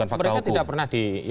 karena mungkin mereka tidak pernah di